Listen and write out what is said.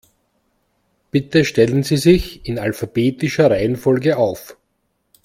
Bitte stellen Sie sich in alphabetischer Reihenfolge auf.